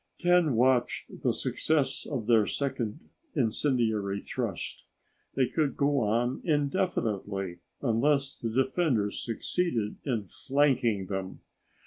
Ken watched the success of their second incendiary thrust. They could go on indefinitely unless the defenders succeeded in flanking them.